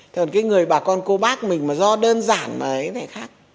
thường cái người bà con cô bác mình mà do đơn giản mà ấy thì phải khác